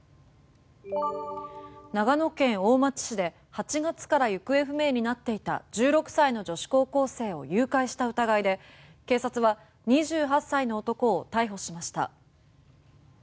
長野県大町市で８月から行方不明になっていた１６歳の女子高校生を誘拐した疑いで警察は２８歳の男を逮捕しました。